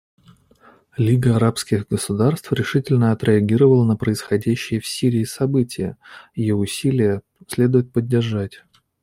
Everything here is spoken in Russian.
Лига арабских государств решительно отреагировала на происходящие в Сирии события; ее усилия следует поддержать.